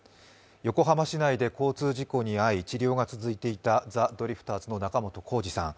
横浜市内で交通事故に遭い治療が続いていたザ・ドリフターズの仲本工事さん。